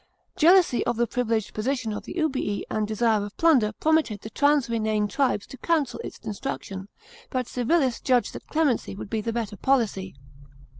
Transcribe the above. Jealousy of the privileged position of the Ubii and desire of plunder prompted the trans Rhenane tribes to counsel its destruction, but Civilis judged that clemency would be the better policy.